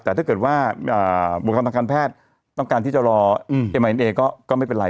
แต่ว่าเกิดว่าบุคลทางการแพทย์ต้องการที่จะรอม้าแนงก็มีเป็นไร